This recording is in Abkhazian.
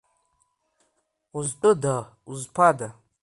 Узтәыда, узԥада?